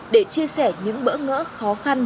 để chia sẻ những bỡ ngỡ khó khăn